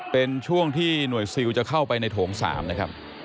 เป็นช่วงที่หน่วยซิลจะเข้าไปในโถง๓นะครับ